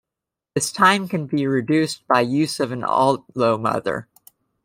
This time can be reduced by use of an allomother.